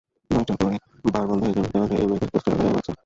নয়টার পরই বার বন্ধ হয়ে যাবে দেয়ালে এই মেয়েদের পোস্টার রাখা যাবে না স্যার!